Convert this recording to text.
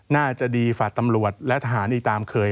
น่าจะดีฝากตำรวจและทหารอีกตามเคย